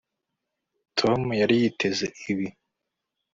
Tom yari yiteze ibi